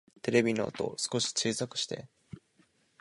テレビの音、少し小さくして